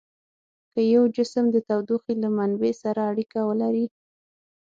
که یو جسم د تودوخې له منبع سره اړیکه ولري.